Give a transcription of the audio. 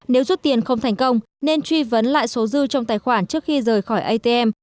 nếu rút tiền không thành công nên truy vấn lại số dư trong tài khoản trước khi rời khỏi atm